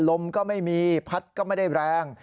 ลมก็ไม่มีพัดก็ไม่ได้แรง